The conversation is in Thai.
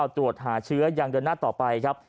ตรวจหาเชื้อยังเดินหน้าต่อไปครับ